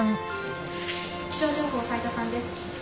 気象情報斉田さんです。